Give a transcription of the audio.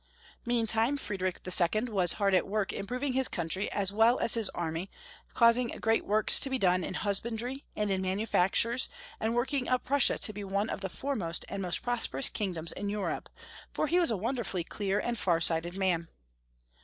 Meantime Friedrich II. was hard at work improv ing his country as well as his army, causing great works to be done in husbandry and in manufac tures, and working up Prussia to be one of the foremost and most prosperous kingdoms in Europe, for he was a wonderfully clear and far sighted man.